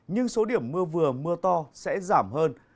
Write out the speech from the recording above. nhưng số điểm mưa vừa mưa to sẽ giảm hơn